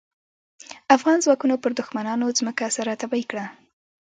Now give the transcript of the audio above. افغان ځواکونو پر دوښمنانو ځمکه سره تبۍ کړه.